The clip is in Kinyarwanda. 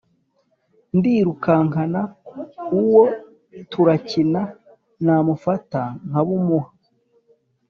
ndirukankana uwo turakina namufata nkabumuha.